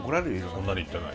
そんなにいってない。